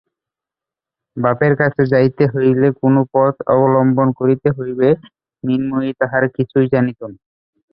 বাপের কাছে যাইতে হইলে কোন পথ অবলম্বন করিতে হইবে মৃন্ময়ী তাহার কিছুই জানিত না।